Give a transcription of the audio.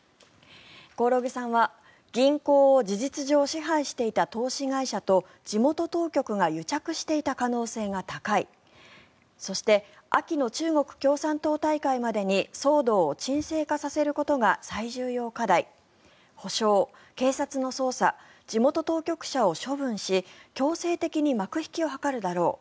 興梠さんは、銀行を事実上支配していた投資会社と地元当局が癒着していた可能性が高いそして秋の中国共産党大会までに騒動を鎮静化させることが最重要課題補償、警察の捜査地元当局者を処分し強制的に幕引きを図るだろう。